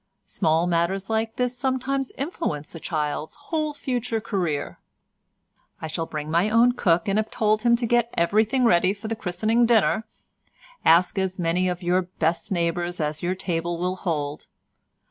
Small matters like this sometimes influence a child's whole future career. "I shall bring my own cook, and have told him to get everything ready for the christening dinner. Ask as many of your best neighbours as your table will hold.